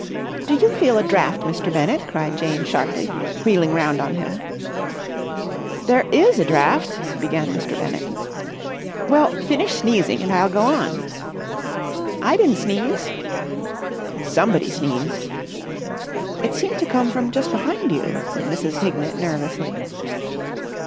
"Do you feel a draught, Mr. Bennett?" cried Jane sharply, wheeling round on him. "There is a draught," began Mr. Bennett. "Well, finish sneezing and I'll go on." "I didn't sneeze!" "Somebody sneezed." "It seemed to come from just behind you," said Mrs. Hignett nervously.